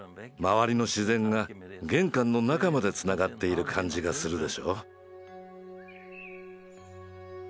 周りの自然が玄関の中までつながっている感じがするでしょう。